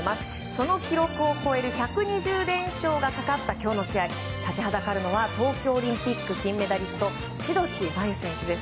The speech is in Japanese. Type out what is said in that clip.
その記録を超える１２０連勝がかかった今日の試合、立ちはだかるのは東京オリンピック金メダリスト志土地真優選手です。